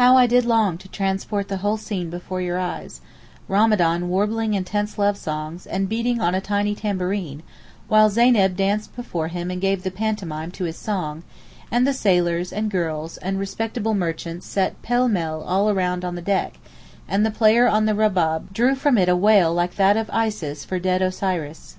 How I did long to transport the whole scene before your eyes—Ramadan warbling intense lovesongs, and beating on a tiny tambourine, while Zeyneb danced before him and gave the pantomime to his song; and the sailors, and girls, and respectable merchants sat pêle mêle all round on the deck, and the player on the rabab drew from it a wail like that of Isis for dead Osiris.